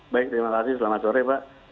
baik terima kasih selamat sore pak